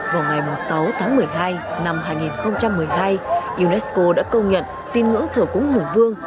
vào ngày sáu tháng một mươi hai năm hai nghìn một mươi hai unesco đã công nhận tin ngưỡng thờ cúng hùng vương